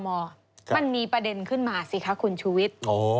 มันมีประเด็นขึ้นมาสิคะคุณชุวิต